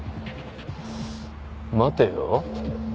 待てよ。